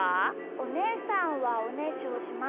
おねえさんはおねしょしますか？